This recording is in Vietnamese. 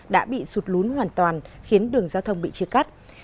đã bị sụt lún hoàn toàn khiến đường giao thông bị chia cắt